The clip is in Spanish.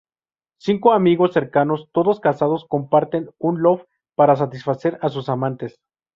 Cinco amigos cercanos, todos casados, comparten un loft para satisfacer a sus amantes.